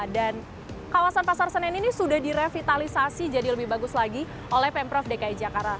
dan kawasan pasar senen ini sudah direvitalisasi jadi lebih bagus lagi oleh pemprov dki jakarta